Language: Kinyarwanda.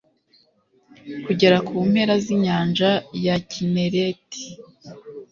kugera ku mpera z'inyanja ya kinereti